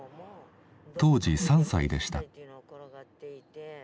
当時３歳でした。